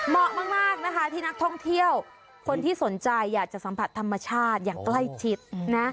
เหมาะมากนะคะที่นักท่องเที่ยวคนที่สนใจอยากจะสัมผัสธรรมชาติอย่างใกล้ชิดนะ